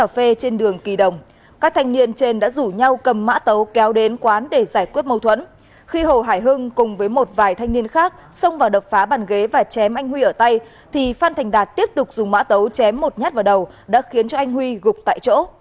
phan thành đạt tiếp tục dùng mã tấu chém một nhát vào đầu đã khiến cho anh huy gục tại chỗ